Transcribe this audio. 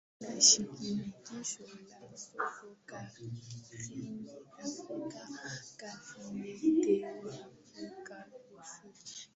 na shirikisho la soka barani afrika caf limeteua afrika kusini